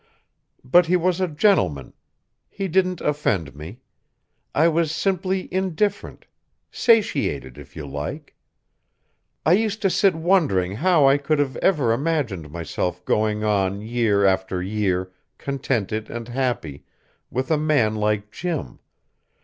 But he was a gentleman. He didn't offend me. I was simply indifferent satiated, if you like. I used to sit wondering how I could have ever imagined myself going on year after year, contented and happy, with a man like Jim.